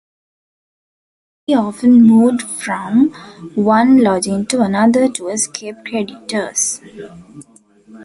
He often moved from one lodging to another to escape creditors.